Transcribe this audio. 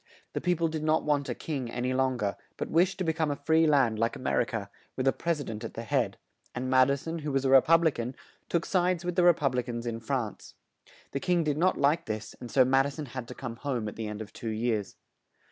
The peo ple did not want a king an y long er, but wished to be come a free land like A mer i ca, with a pres i dent at the head; and Mad i son, who was a Re pub li can, took sides with the Re pub li cans in France. The king did not like this, and so Mad i son had to come home at the end of two years.